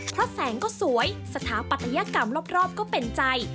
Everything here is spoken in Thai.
เพราะแสงก็สวยสถาปัตยกรรมรอบก็เป็นใจ